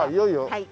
はい。